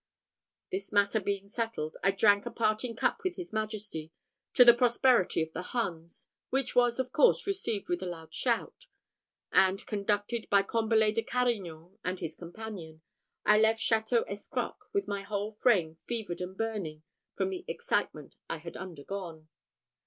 This matter being settled, I drank a parting cup with his majesty, to the prosperity of the Huns, which was of course received with a loud shout; and, conducted by Combalet de Carignan and his companion, I left Château Escroc with my whole frame fevered and burning, from the excitement I had undergone.